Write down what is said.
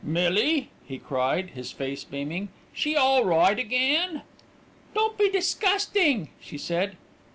"Millie!" he cried, his face beaming. "She all right again?" "Don't be disgusting," she said.